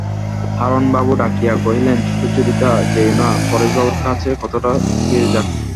হারানবাবু ডাকিয়া কহিলেন, সুচরিতা, যেয়ো না, পরেশবাবুর কাছে কথাটা হয়ে যাক।